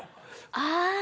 あ。